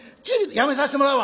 「やめさしてもらうわ。